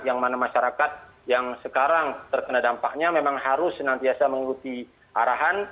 yang mana masyarakat yang sekarang terkena dampaknya memang harus senantiasa mengikuti arahan